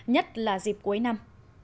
nhất là dịp cuối năm